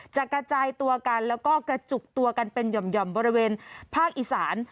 กระจายตัวกันแล้วก็กระจุกตัวกันเป็นห่อมบริเวณภาคอีสาน